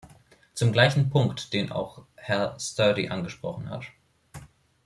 Zum gleichen Punkt, den auch Herr Sturdy angesprochen hat.